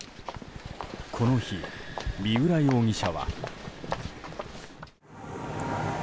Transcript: この日、三浦容疑者は。